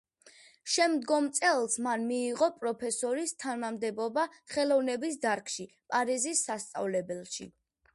შემდგომ წელს მან მიიღო პროფესორის თანამდებობა ხელოვნების დარგში, პარიზის სასწავლებელში.